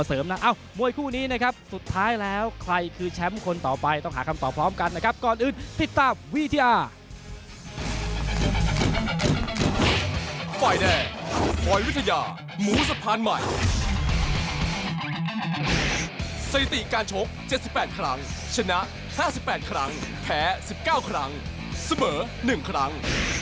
สถิติการชก๗๘ครั้งชนะ๕๘ครั้งแพ้๑๙ครั้งเสมอ๑ครั้ง